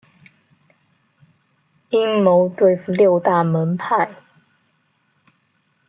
阴谋对付六大门派。